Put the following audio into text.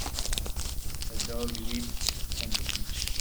A dog leaps on the beach.